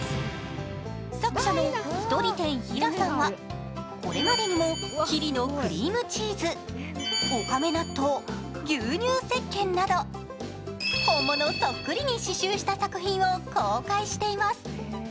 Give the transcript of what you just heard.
作者のひとり展ｈｉｒａさんはこれまでにもＫｉｒｉのクリームチーズおかめ納豆、牛乳石鹸など本物そっくりに刺しゅうした作品を公開しています。